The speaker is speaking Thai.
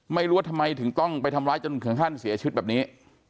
ไม่รู้ว่าทำไมถึงต้องไปทำร้ายจนถึงขั้นเสียชีวิตแบบนี้